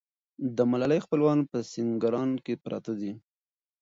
د ملالۍ خپلوان په سینګران کې پراته دي.